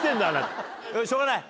しょうがない。